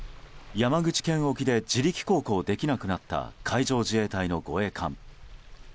山口県沖で自力航行できなくなった海上自衛隊の護衛艦。